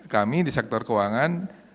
kami di sektor keuangan